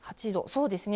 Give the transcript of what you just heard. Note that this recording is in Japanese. そうですね。